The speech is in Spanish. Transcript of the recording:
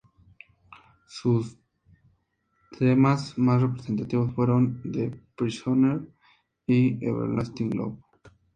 Sus temas más representativos fueron: "The Prisoner" y "Everlasting Love".